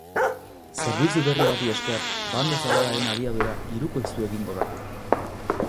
Zerbitzu berri bati esker, banda zabalaren abiadura hirukoiztu egingo da.